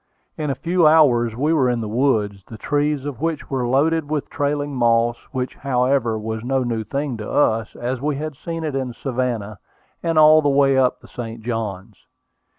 In a few hours we were in the woods, the trees of which were loaded with trailing moss, which, however, was no new thing to us, as we had seen it in Savannah, and all the way up the St. Johns.